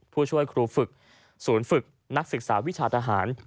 ผู้ช่วยครูฝึกศูนย์ฝึกนักศึกษาวิชาทหาร